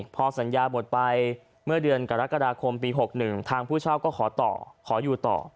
พอสัญญาบทไปเมื่อเดือนกรกฎาคมปี๖๑ทางผู้เช่าก็ขอต่อขออยู่ต่อ